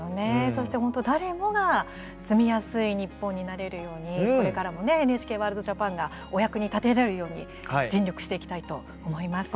そして誰もが住みやすい日本になれるように、これからもＮＨＫワールドＪＡＰＡＮがお役に立てるように尽力していきたいと思います。